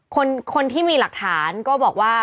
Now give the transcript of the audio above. คนที่มีหลักฐานก็บอกว่า